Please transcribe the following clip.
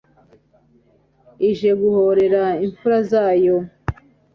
ije guhorera imfura zayo